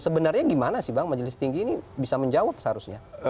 sebenarnya gimana sih bang majelis tinggi ini bisa menjawab seharusnya